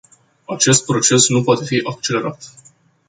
Acest proces nu poate fi accelerat.